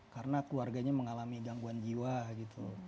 karena keluarganya mengalami gangguan jiwa gitu